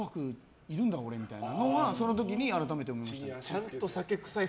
ちゃんと「紅白」いるんだ、俺みたいなのはその時に改めて思いました。